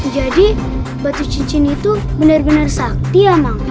jadi batu cincin itu bener bener sakti ya mang